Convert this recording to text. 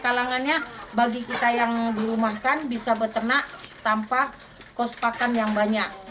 kalangannya bagi kita yang dirumahkan bisa beternak tanpa kos pakan yang banyak